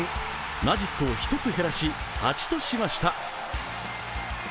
マジックを１つ減らし８としました。